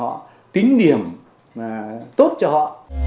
họ tính điểm tốt cho họ